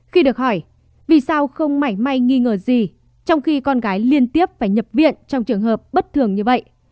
khi được hỏi vì sao không mảy may nghi ngờ gì trong khi con gái liên tiếp phải nhập viện trong trường hợp bất thường như vậy